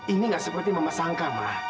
ini nggak seperti mama sangka ma